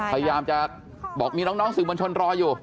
พยายามจะบอกมีน้องสื่อมวลชนรออยู่